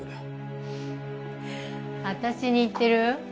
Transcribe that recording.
私に言ってる？